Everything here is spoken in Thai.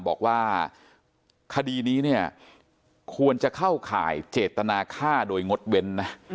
บอกว่าคดีนี้เนี่ยควรจะเข้าข่ายเจตนาฆ่าโดยงดเว้นนะ